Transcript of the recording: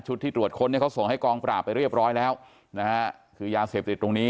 ที่ตรวจค้นเนี่ยเขาส่งให้กองปราบไปเรียบร้อยแล้วนะฮะคือยาเสพติดตรงนี้